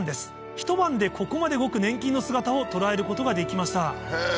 ひと晩でここまで動く粘菌の姿を捉えることができました